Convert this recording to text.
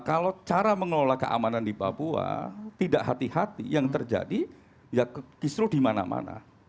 kalau cara mengelola keamanan di papua tidak hati hati yang terjadi ya kisru di mana mana